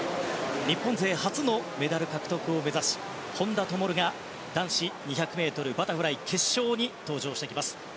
日本勢初のメダル獲得を目指し本多灯が男子２００ｍバタフライ決勝に登場してきます。